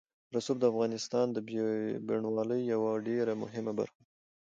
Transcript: رسوب د افغانستان د بڼوالۍ یوه ډېره مهمه برخه ده.